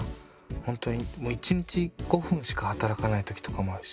ほんとにもう１日５分しか働かないときとかもあるし。